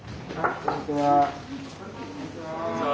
こんにちは。